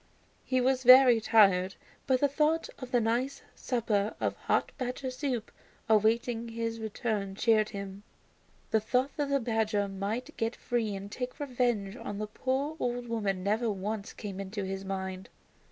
He was very tired, but the thought of the nice supper of hot badger soup awaiting his return cheered him. The thought that the badger might get free and take revenge on the poor old woman never once came into his mind.